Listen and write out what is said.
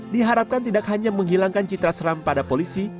diharapkan tidak hanya menghilangkan citra seram pada polisi